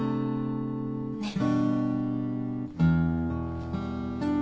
ねっ？